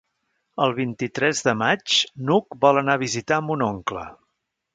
El vint-i-tres de maig n'Hug vol anar a visitar mon oncle.